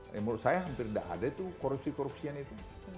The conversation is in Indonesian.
menurut saya hampir tidak ada itu korupsi korupsi yang itu